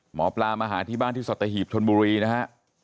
หมอปลามาหาที่บ้านที่สัตหีบชนบุรีนะฮะ